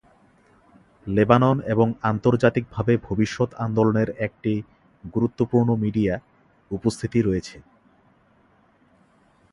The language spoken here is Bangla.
লেবানন এবং আন্তর্জাতিকভাবে ভবিষ্যৎ আন্দোলনের একটি গুরুত্বপূর্ণ মিডিয়া উপস্থিতি রয়েছে।